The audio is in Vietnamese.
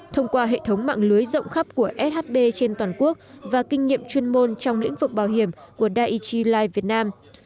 thông qua hệ thống mạng lưới rộng khắp của shb trên toàn quốc và kinh nghiệm chuyên môn trong lĩnh vực bảo hiểm của daegi life việt nam